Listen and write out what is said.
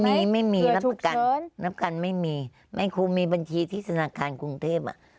ไม่มีไม่มีหรือฉุกเชิญรับกันไม่มีไม่ครูมีบัญชีธิสนาคารกรุงเทพอ่ะ